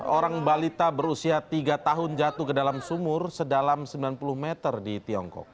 orang balita berusia tiga tahun jatuh ke dalam sumur sedalam sembilan puluh meter di tiongkok